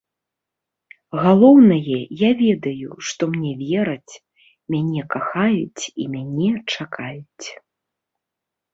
Галоўнае, я ведаю, што мне вераць, мяне кахаюць і мяне чакаюць.